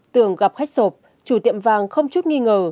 tường gặp khách sộp chủ tiệm vàng không chút nghi ngờ